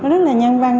rất là nhân văn